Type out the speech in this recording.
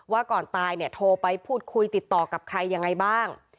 ว่าก่อนตายเนี่ยโทรไปพูดคุยติดต่อกับใครยังไงบ้าง